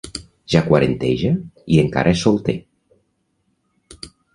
Ja quaranteja i encara és solter.